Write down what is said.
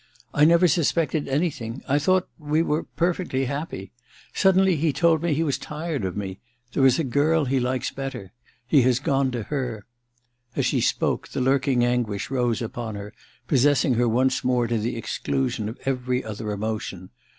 *I never suspected anything — ^I thought we were — ^perfectly happy. ... Suddenly he told me he was tired of me ... there is a girl he likes better. ... He has gone to her. ...' As she spoke, the lurking anguish rose upon her, pos sessing her once more to the exclusion of every other emotion.